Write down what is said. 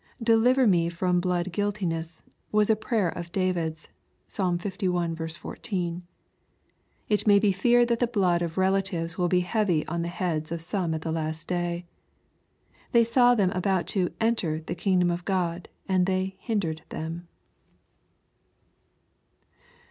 " Deliver me from blood guiltiness," was a prayer of David's. (Psalm li. 14.) It may be feared that the blood of relatives will be heavv on the heads of some at the last day. They saw them about to " en ter*' the kingdom of God, and they *^ hindered" them.